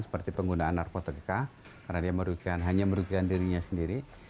seperti penggunaan narkotika karena dia merugikan hanya merugikan dirinya sendiri